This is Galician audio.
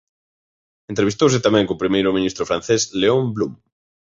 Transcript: Entrevistouse tamén co primeiro ministro francés Léon Blum.